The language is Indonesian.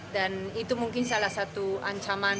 dan itu mungkin salah satu ancaman